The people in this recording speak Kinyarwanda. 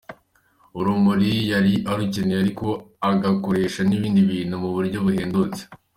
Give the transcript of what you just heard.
urumuri yari arukeneye ariko agakoresha n’ibindi bintu mu buryo buhendutse.